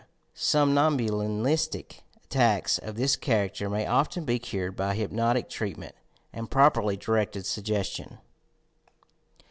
Somnambulistic attacks of this character may often be cured by hypnotic treatment and properly directed suggestion.